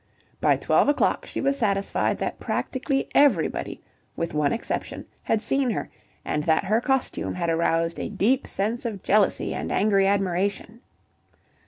By twelve o'clock she was satisfied that practically everybody, with one exception, had seen her, and that her costume had aroused a deep sense of jealousy and angry admiration.